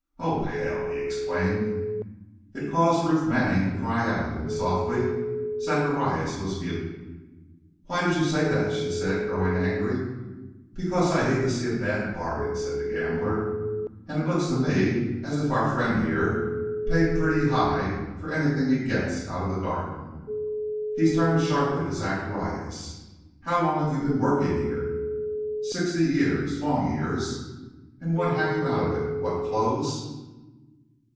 "Or hell!" he exclaimed. It caused Ruth Manning to cry out at him softly; Zacharias was mute. "Why did you say that?" said the girl, growing angry. "Because I hate to see a bad bargain," said the gambler. "And it looks to me as if our friend here paid pretty high for anything he gets out of the Garden." He turned sharply to Zacharias. "How long have you been working here?" "Sixty years. Long years!" "And what have you out of it? What clothes?"